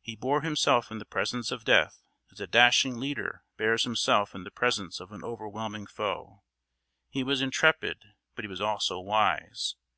He bore himself in the presence of death as a dashing leader bears himself in the presence of an overwhelming foe; he was intrepid, but he was also wise.